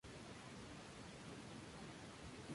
El escudo es de forma ovalada.